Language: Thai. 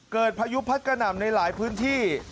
เกิดพายุพัดก่อนห่างในหลายพื้นที่